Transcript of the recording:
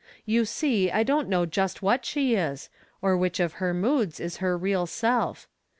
You see I don't know just what she is, or which of her moods is her real self.